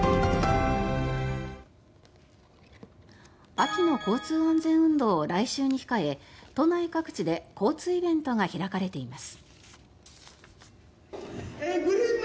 秋の交通安全運動を来週に控え都内各地で交通イベントが開かれています。